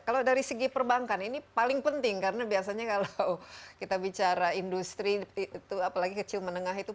kalau dari segi perbankan ini paling penting karena biasanya kalau kita bicara industri itu apalagi kecil menengah itu